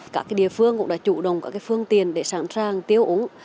các địa phương cũng đã chủ đồng các phương tiền để sẵn sàng tiêu uống